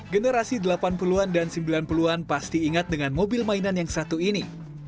generasi delapan puluh an dan sembilan puluh an pasti ingat dengan mobil mainan yang satu ini